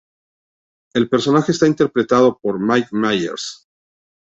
El personaje está interpretado por Mike Myers.